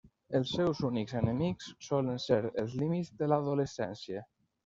Els seus únics enemics solen ser els límits de l'adolescència.